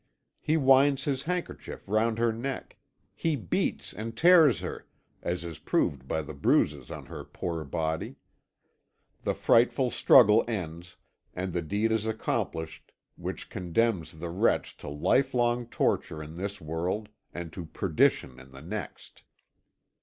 He winds his handkerchief round her neck, he beats and tears her, as is proved by the bruises on her poor body. The frightful struggle ends, and the deed is accomplished which condemns the wretch to life long torture in this world and to perdition in the next.